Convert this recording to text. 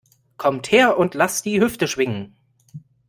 Kommt her und lasst die Hüfte schwingen!